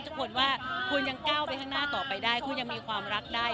ทุกคนว่าคุณยังก้าวไปข้างหน้าต่อไปได้คุณยังมีความรักได้